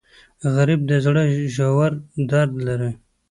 غریب د زړه ژور درد لري